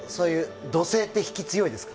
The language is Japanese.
土星って引きが強いですか。